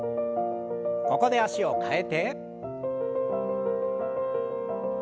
ここで脚を替えて。